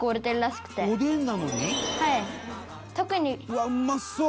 「うわっうまそう！」